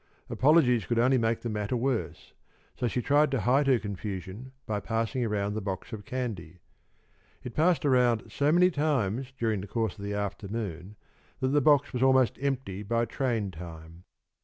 Apologies could only make the matter worse, so she tried to hide her confusion by passing around the box of candy. It passed around so many times during the course of the afternoon that the box was almost empty by train time.